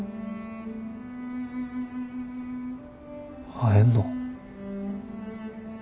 会えんの？